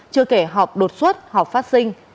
chưa kể họp đột xuất họp phát sinh